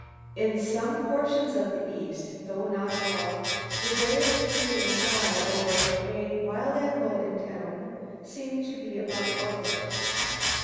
In some portions of the east, though not all, the day of the hue and cry over "a wild animal in town" seems to be about over.